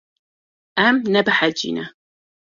Em nebehecî ne.